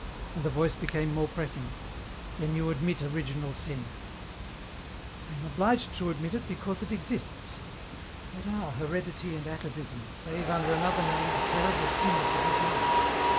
And the voice became more pressing, " Then you admit original sin ?"" I am obliged to admit it, because it exists. What are heredity and atavism, save, under another name, the terrible sin of the beginning